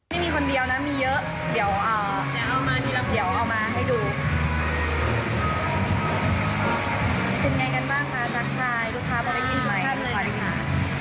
ที่ยืมเยอะแยะมากมายค่ะ